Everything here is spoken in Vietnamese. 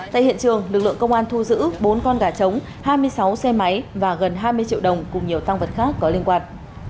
tại hiện trường lực lượng công an thu giữ bốn con gà trống hai mươi sáu xe máy và gần hai mươi triệu đồng cùng nhiều tăng vật khác có liên quan